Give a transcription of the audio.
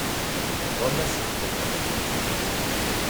Bḍan-asen-tent-id.